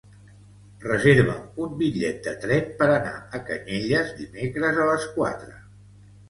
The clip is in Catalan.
Reserva'm un bitllet de tren per anar a Canyelles dimecres a les quatre.